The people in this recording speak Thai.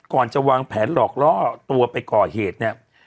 ก่อนจะวางแผนหลอกล่อตัวไปก่อเหตุเนี่ย